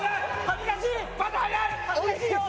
恥ずかしいよ！